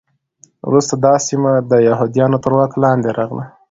وروسته دا سیمه د یهودانو تر واک لاندې راغله.